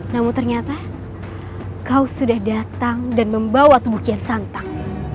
namun ternyata kau sudah datang dan membawa tubuh kian santai